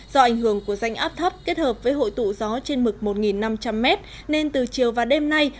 do ảnh hưởng của rãnh áp thấp kết hợp với hội tụ gió trên mực một năm trăm linh m nên từ chiều và đêm nay